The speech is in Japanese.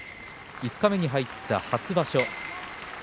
五日目に入った初場所。